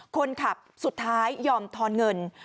คนขับสุดท้ายยอมทอนเงิน